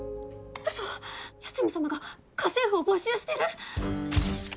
ウソ八海サマが家政婦を募集してる！？